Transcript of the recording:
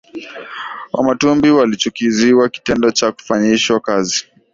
Wamatumbi walichukizwa na kitendo cha kufanyishwa kazi